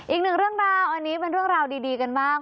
อีกหนึ่งเรื่องราวอันนี้เป็นเรื่องราวดีกันบ้าง